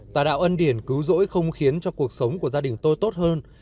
tà đạo ân điển cứu rỗi không khiến cho cuộc sống của gia đình tôi tốt hơn